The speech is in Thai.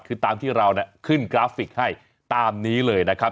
คือตามที่เราขึ้นกราฟิกให้ตามนี้เลยนะครับ